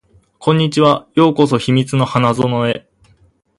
こんにちは。ようこそ秘密の花園へ